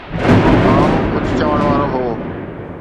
Tom ڪجهه چوڻ وارو هو.